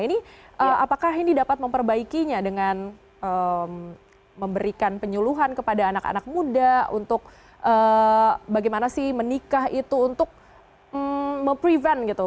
ini apakah ini dapat memperbaikinya dengan memberikan penyuluhan kepada anak anak muda untuk bagaimana sih menikah itu untuk memprevent gitu